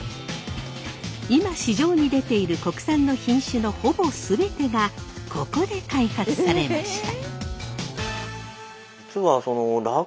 今市場に出ている国産の品種のほぼ全てがここで開発されました。